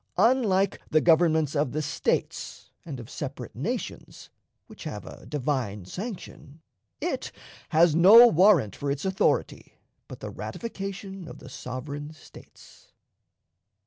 Unlike the governments of the States and of separate nations, which have a divine sanction, it has no warrant for its authority but the ratification of the sovereign States.